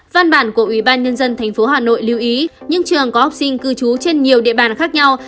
văn bản của ủy ban nhân dân tp hà nội lưu ý những trường có học sinh cư trú trên nhiều địa bàn khác nhau